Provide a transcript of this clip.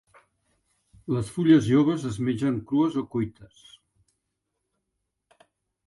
Les fulles joves es mengen crues o cuites.